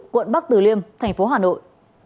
quận bắc từ liêm tp hà nội